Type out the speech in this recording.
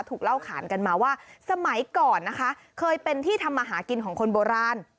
เล่าขานกันมาว่าสมัยก่อนนะคะเคยเป็นที่ทำมาหากินของคนโบราณ